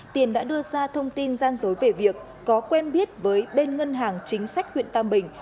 tiền đã đưa ra thông tin gian dối về việc có quen biết với bên ngân hàng chính sách huyện tam bình